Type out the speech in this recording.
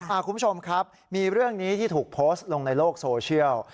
คุณผู้ชมครับมีเรื่องนี้ที่ถูกโพสต์ลงในโลกโซเชียล